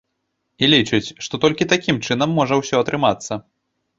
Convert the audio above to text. І лічыць, што толькі такім чынам можа ўсё атрымацца.